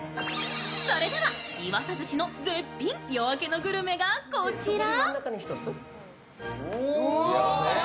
それでは岩佐寿しの絶品夜明けのグルメがこちら。